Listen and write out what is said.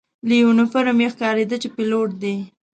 له یونیفورم یې ښکارېده چې پیلوټ دی.